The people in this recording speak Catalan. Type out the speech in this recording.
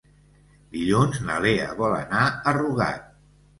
Dilluns na Lea vol anar a Rugat.